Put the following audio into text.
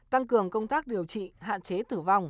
tăng cường công tác điều trị hạn chế tử vong